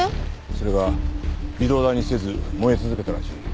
それが微動だにせず燃え続けたらしい。